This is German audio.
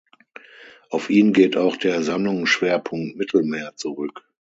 Auf ihn geht auch der Sammlungsschwerpunkt "Mittelmeer" zurück.